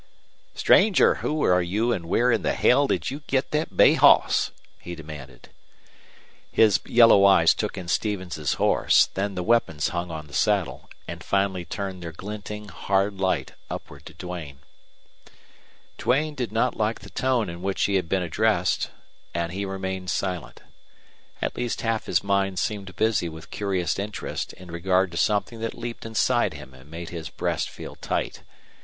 "Stranger, who are you an' where in the hell did you git thet bay hoss?" he demanded. His yellow eyes took in Stevens's horse, then the weapons hung on the saddle, and finally turned their glinting, hard light upward to Duane. Duane did not like the tone in which he had been addressed, and he remained silent. At least half his mind seemed busy with curious interest in regard to something that leaped inside him and made his breast feel tight.